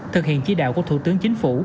thực hiện chỉ đạo của thủ tướng chính phủ